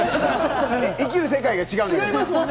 生きる世界が違うもん。